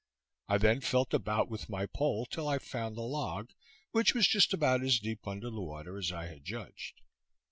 I then felt about with my pole till I found the log, which was just about as deep under the water as I had judged.